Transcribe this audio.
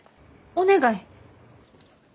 お願い。